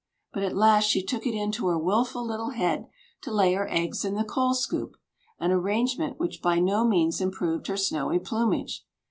But at last she took it into her wilful little head to lay her eggs in the coal scoop, an arrangement which by no means improved her snowy plumage.